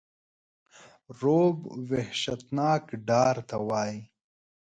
رعب وحشتناک ډار ته وایی.